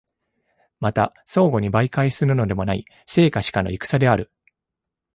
また相互に媒介するのでもない、生か死かの戦である。